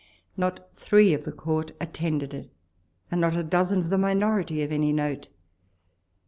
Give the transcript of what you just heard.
Not three of the Court attended it, and not a dozen of the Minority of any note.